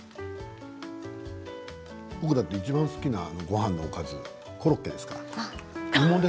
僕はいちばん好きなごはんのおかずコロッケですから。